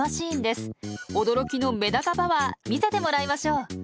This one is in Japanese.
驚きのメダカパワー見せてもらいましょう。